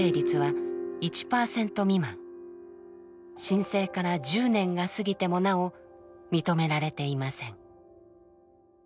申請から１０年が過ぎてもなお認められていません。